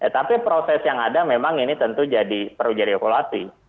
tapi proses yang ada memang ini tentu perlu jadi evaluasi